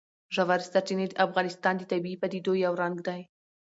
ژورې سرچینې د افغانستان د طبیعي پدیدو یو رنګ دی.